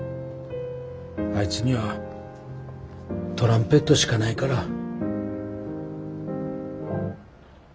あいつにはトランペットしかないから。